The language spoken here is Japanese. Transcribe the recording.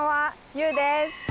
ゆうです。